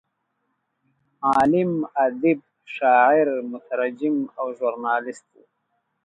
عالم، ادیب، شاعر، مترجم او ژورنالست و.